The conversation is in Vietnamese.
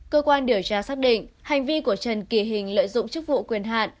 cơ quan điều tra xác định hành vi của trần kỳ hình lợi dụng chức vụ quyền hạn